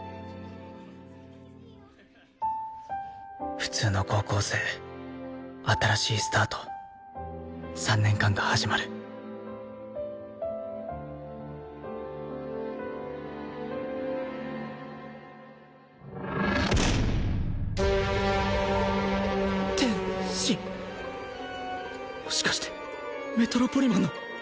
普通の高校生新しいスタート３年間が始まる天使もしかしてメトロポリマンの！